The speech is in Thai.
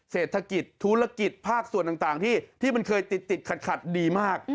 เศรษฐกิจธุรกิจภาคส่วนต่างที่มันเคยติดขัดดีมาก